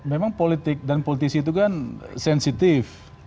memang politik dan politisi itu kan sensitif